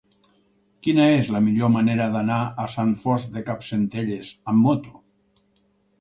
Quina és la millor manera d'anar a Sant Fost de Campsentelles amb moto?